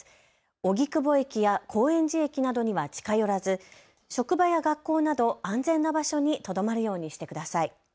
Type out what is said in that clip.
荻窪駅や高円寺駅などには近寄らず職場や学校など安全な場所にとどまるようにしてください。